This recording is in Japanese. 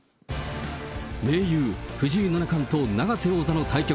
盟友、藤井七冠と永瀬王座の対局。